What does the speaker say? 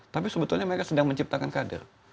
tapi sebetulnya mereka sedang menciptakan kader